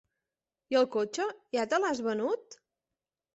I el cotxe, ja te l'has venut?